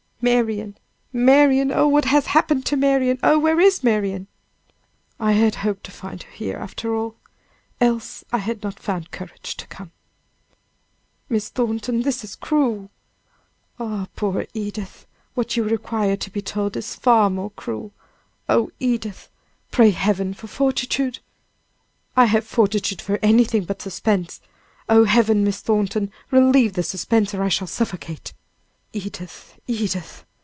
"Marian! Marian! oh! what has happened to Marian! Oh! where is Marian?" "I had hoped to find her here after all! else I had not found courage to come!" "Miss Thornton, this is cruel " "Ah! poor Edith! what you required to be told is far more cruel. Oh, Edith! pray Heaven for fortitude?" "I have fortitude for anything but suspense. Oh, Heaven, Miss Thornton, relieve this suspense, or I shall suffocate!" "Edith! Edith!"